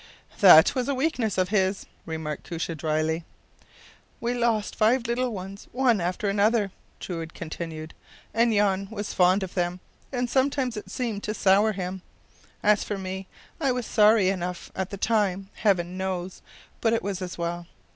” “That was a weakness of his,” remarked Koosje, drily. “We lost five little ones, one after another,” Truide continued. “And Jan was fond of them, and somehow it seemed to sour him. As for me, I was sorry enough at the time, Heaven knows, but it was as well.